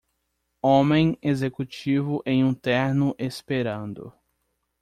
Homem executivo em um terno esperando.